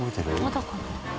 まだかな？